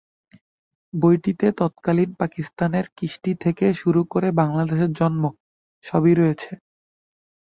বইটিতে তৎকালীন পাকিস্তানের কৃষ্টি থেকে শুরু করে বাংলাদেশের জন্ম সবই রয়েছে।